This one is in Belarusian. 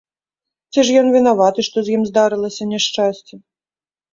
Ці ж ён вінаваты, што з ім здарылася няшчасце?